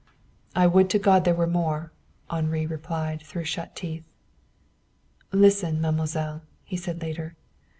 "I would to God there were more!" Henri replied, through shut teeth. "Listen, mademoiselle," he said later.